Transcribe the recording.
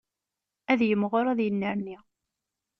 Ad yimɣur ad yennerni.